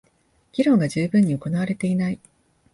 議論が充分に行われていない